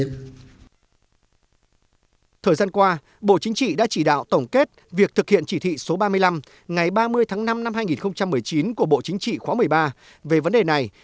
thời gian qua bộ chính trị đã chỉ đạo tổng kết việc thực hiện chỉ thị số ba mươi năm ngày ba mươi tháng năm năm hai nghìn một mươi chín của bộ chính trị khóa một mươi ba về vấn đề này